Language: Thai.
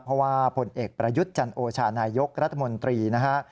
เพราะว่าผลเอกประยุทธ์จันโอชานายกรัฐมนตรีนะฮะ